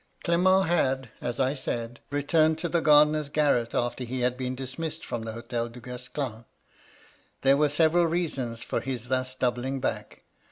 Clement had, as I said, returned to the gardener's garret after he had been dismissed from the H6tel Duguesclin. There were several reasons for his thus doubling back.